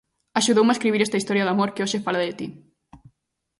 Axudoume a escribir esta historia de amor que hoxe fala de ti